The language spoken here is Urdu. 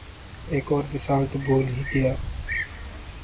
ایک اور مثال تو بھول ہی گیا۔